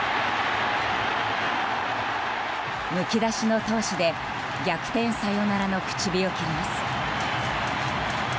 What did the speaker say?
むき出しの闘志で逆転サヨナラの口火を切ります。